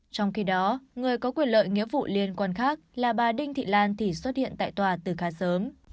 trong khi đó người có quyền lợi nghĩa vụ liên quan khác là bà đinh thị lan thì xuất hiện tại tòa từ khá sớm